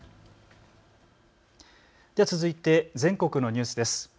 続いて全国のニュースです。